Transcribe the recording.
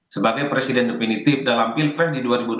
sebagai presiden definitif dalam pilpres di dua ribu dua puluh